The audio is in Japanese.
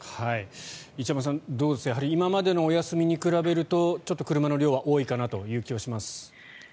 石山さん、どうでしょう今までのお休みと比べるとちょっと車の量は多いかなという気がします。